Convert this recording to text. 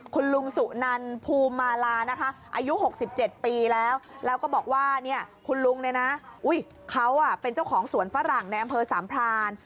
คุณลุงสุนันพูมาลาอายุ๖๗ปีแล้วแล้วก็บอกว่าคุณลุงนะเขาเป็นเจ้าของสวนฝรั่งในอำเภอสามพลาณ